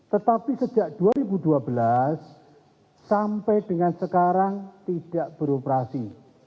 tetapi sejak dua ribu dua belas sampai dengan sekarang tidak beroperasi